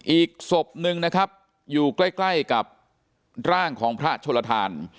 อีกศพหนึ่งนะครับอยู่ใกล้ใกล้กับร่างของพระโชลทาน